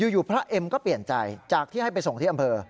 อยู่พระเอ็มก็เปลี่ยนใจจากที่ให้ไปส่งที่อำเภอ